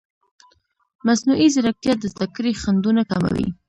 مصنوعي ځیرکتیا د زده کړې خنډونه کموي.